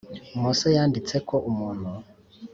Mose yanditse ko umuntu